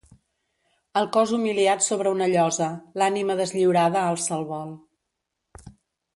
El cos humiliat sobre una llosa, l’ànima deslliurada alça el vol.